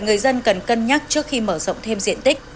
người dân cần cân nhắc trước khi mở rộng thêm diện tích